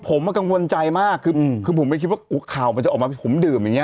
ผมกังวลใจมากคือผมไม่คิดว่าข่าวมันจะออกมาผมดื่มอย่างเง